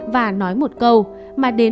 và nói một câu mà đến